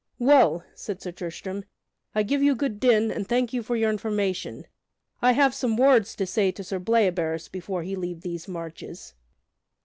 "Well," said Sir Tristram, "I give you good den, and thank you for your information. I have some words to say to Sir Bleoberis before he leave these marches."